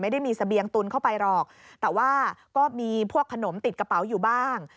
ไม่ได้มีเสบียงตุนเข้าไปหรอกแต่ว่าก็มีพวกขนมติดกระเป๋าอยู่บ้าง